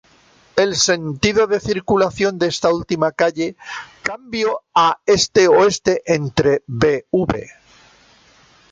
El sentido de circulación de esta última calle cambio a este-oeste, entre Bv.